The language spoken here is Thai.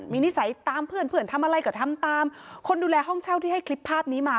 มีนิสัยตามเพื่อนเพื่อนทำอะไรก็ทำตามคนดูแลห้องเช่าที่ให้คลิปภาพนี้มา